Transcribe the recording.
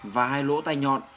và hai lỗ tay nhọn